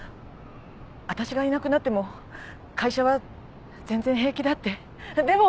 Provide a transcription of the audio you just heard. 私がいなくなっても会社は全然平気だってでも。